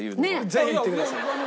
ぜひ行ってください。